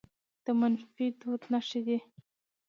د منفي دود نښې دي